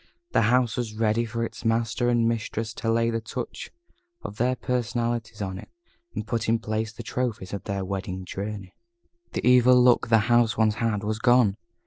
The house was ready for its master and mistress to lay the touch of their personality on it, and put in place the trophies of their Wedding Journey. The evil look the house once had was gone.